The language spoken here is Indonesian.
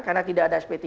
karena tidak ada sp tiga